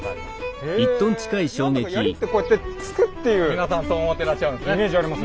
皆さんそう思ってらっしゃるんですね。